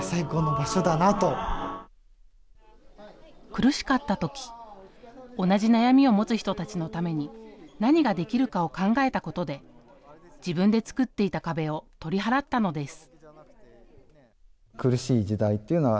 苦しかった時同じ悩みを持つ人たちのために何ができるかを考えたことで自分で作っていた壁を取り払ったのです。